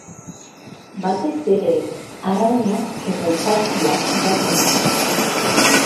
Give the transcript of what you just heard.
Batez ere, arrainak eta itsaskiak jaten dituzte.